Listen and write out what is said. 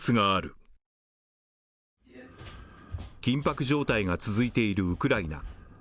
緊迫状態が続いているウクライナ。